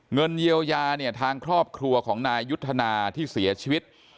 เงินเยียวยาเนี่ยทางครอบครัวของนายยุทธนาที่เสียชีวิต